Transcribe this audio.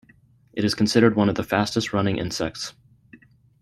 It is considered one of the fastest running insects.